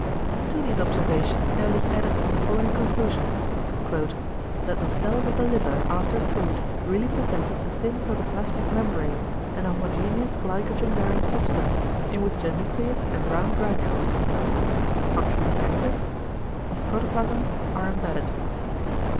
To these observations Ehrlich added the following conclusion, "that the cells of the liver after food really possess a thin =protoplasmic= membrane, and a homogeneous glycogen bearing substance, in which the nucleus and =round granules= (? functionally active) of protoplasm are embedded.